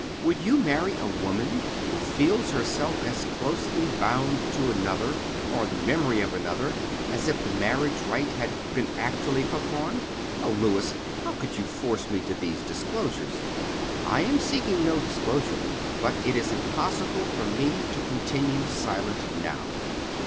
"Would you marry a woman who feels herself as closely bound to another, or the memory of another, as if the marriage rite had been actually performed? Oh, Louis, how could you force me to these disclosures?" "I am seeking no disclosure, but it is impossible for me to continue silent now."